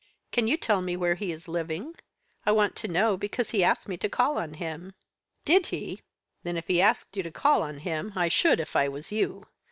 "'Can you tell me where he is living? I want to know because he asked me to call on him.' "'Did he? Then if he asked you to call on him, I should if I was you.